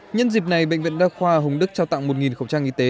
nhân dịp này bệnh viện đa khoa hồng đức trao tặng một khẩu trang y tế